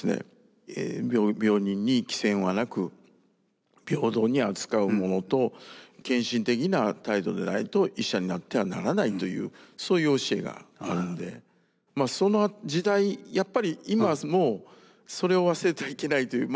病人に貴賎はなく平等に扱うものと献身的な態度でないと医者になってはならないというそういう教えがあるんでその時代やっぱり今もそれを忘れてはいけないという。